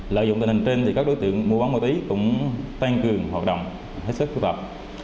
lợi dụng tình hình trên các đối tượng mua bán ma túy cũng tăng cường hoạt động hết sức phức tạp